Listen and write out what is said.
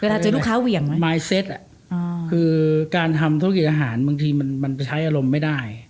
เวลาเจอลูกค้าเหวี่ยงไหมไม้เซ็ตคือการทำธุรกิจอาหารบางทีมันไปใช้อารมณ์ไม่ได้